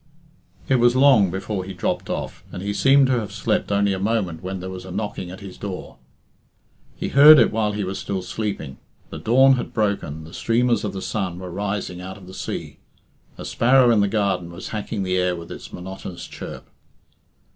It was long before he dropped off, and he seemed to have slept only a moment when there was a knocking at his door. He heard it while he was still sleeping. The dawn had broken, the streamers of the sun were rising out of the sea. A sparrow in the garden was hacking the air with its monotonous chirp.